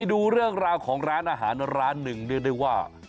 ดูเรื่องราวของร้านอาหารร้านหนึ่งเรียกได้ว่า